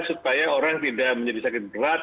supaya orang tidak menjadi sakit berat